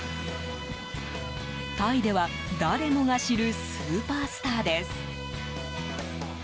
タイでは誰もが知るスーパースターです。